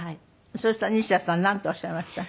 そうすると西田さんなんとおっしゃいました？